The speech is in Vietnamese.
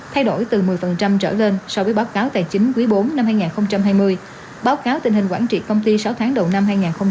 thay đổi từ một mươi trở lên so với báo cáo tài chính quý bốn năm hai nghìn hai mươi báo cáo tình hình quản trị công ty sáu tháng đầu năm hai nghìn hai mươi